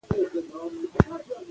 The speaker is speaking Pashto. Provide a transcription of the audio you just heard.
دا معاهده موږ ته دا درس راکوي.